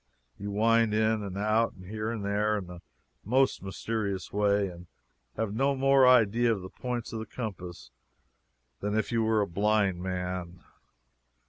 You wind in and out and here and there, in the most mysterious way, and have no more idea of the points of the compass than if you were a blind man.